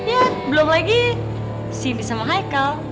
ya belum lagi sibi sama haikal